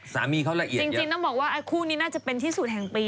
สามีเขาละเอียดจริงต้องบอกว่าคู่นี้น่าจะเป็นที่สุดแห่งปี